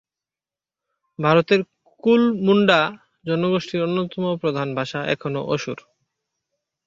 ভারতের কোল-মুন্ডা জনগোষ্ঠীর অন্যতম প্রধান ভাষা এখনও অসুর।